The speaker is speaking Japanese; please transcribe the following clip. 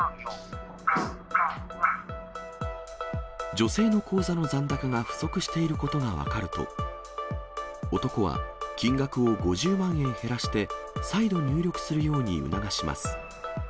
女性の口座の残高が不足していることが分かると、男は金額を５０万円減らして、再度入力するように促します。